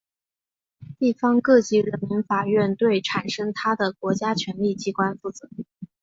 地方各级人民法院对产生它的国家权力机关负责。